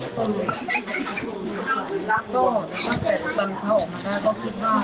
อยากฝากบอกคนที่ดูข่าวจะตอบบทุกคน